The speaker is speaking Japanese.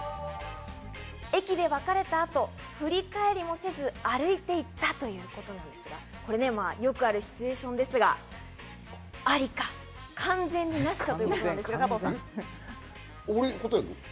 駅で別れた後、振り返りもせず歩いていったということなんですが、よくあるシチュエーションですが、アリか、完全にナシということなんですが、加藤さん。